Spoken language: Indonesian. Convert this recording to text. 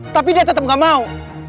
tapi dia tetap gak mau